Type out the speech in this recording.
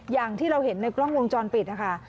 อย่างที่เราเห็นในกล้องวงจรปิดนะคะ